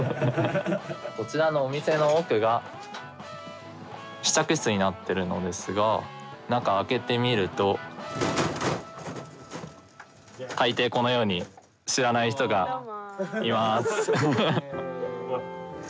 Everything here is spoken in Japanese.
こちらのお店の奥が試着室になっているのですが中を開けてみると、大抵このように知らない人がいます。